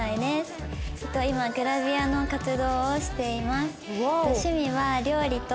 今グラビアの活動をしています。